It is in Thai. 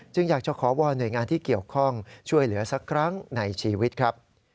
อยากจะขอวอนหน่วยงานที่เกี่ยวข้องช่วยเหลือสักครั้งในชีวิตครับ